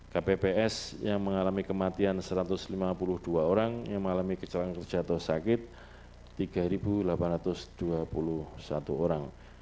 kpps yang mengalami kematian satu ratus lima puluh dua orang yang mengalami kecelakaan kerja atau sakit tiga delapan ratus dua puluh satu orang